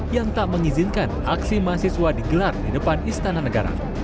yang tak mengizinkan aksi mahasiswa digelar di depan istana negara